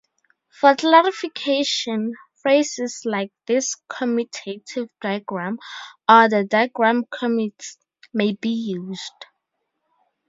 For clarification, phrases like "this commutative diagram" or "the diagram commutes" may be used.